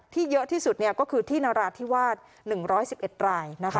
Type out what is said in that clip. เยอะที่สุดก็คือที่นราธิวาส๑๑๑ราย